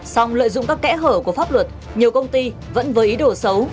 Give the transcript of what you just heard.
xong lợi dụng các kẽ hở của pháp luật nhiều công ty vẫn với ý đồ xấu